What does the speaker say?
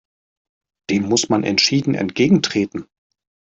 Dem muss man entschieden entgegentreten!